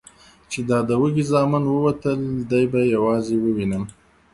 چې دا د وږي زامن ووتل، دی به یوازې ووینم؟